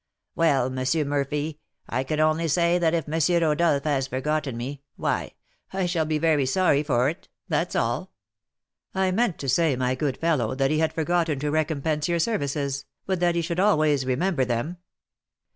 'Well, M. Murphy, I can only say that if M. Rodolph has forgotten me, why I shall be very sorry for it, that's all.' 'I meant to say, my good fellow, that he had forgotten to recompense your services, but that he should always remember them.'